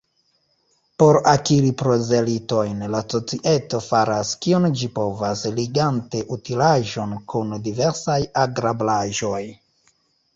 Por akiri prozelitojn, la societo faras, kion ĝi povas, ligante utilaĵon kun diversaj agrablaĵoj.